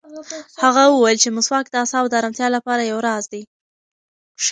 هغه وویل چې مسواک د اعصابو د ارامتیا لپاره یو راز دی.